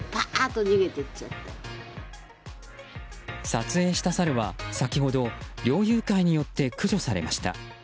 撮影したサルは先ほど猟友会によって駆除されました。